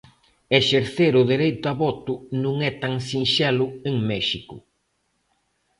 Exercer o dereito a voto non é tan sinxelo en México.